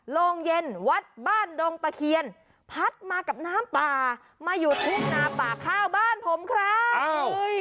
โรงเย็นวัดบ้านดงตะเคียนพัดมากับน้ำป่ามาอยู่ทุ่งนาป่าข้าวบ้านผมครับ